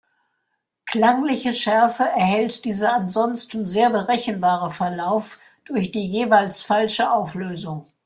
Klangliche Schärfe erhält dieser ansonsten sehr berechenbare Verlauf durch die jeweils „falsche“ Auflösung.